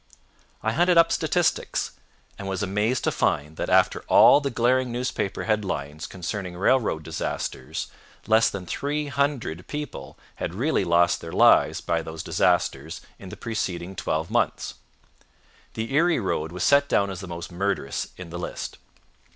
I hunted up statistics, and was amazed to find that after all the glaring newspaper headlines concerning railroad disasters, less than three hundred people had really lost their lives by those disasters in the preceding twelve months. The Erie road was set down as the most murderous in the list.